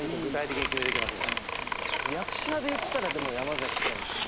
役者でいったらでも山賢人君。